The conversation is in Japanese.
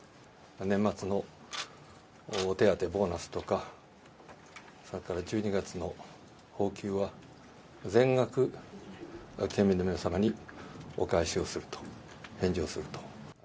年末の手当、ボーナスとか、それから１２月の公給は全額県民の皆様にお返しをすると、返上をすると。